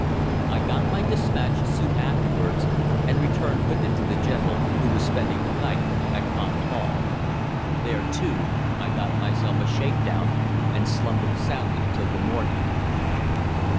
I got my despatch soon afterwards and returned with it to the General, who was spending the night at Copped Hall. There, too, I got myself a shakedown and slumbered soundly till the morning."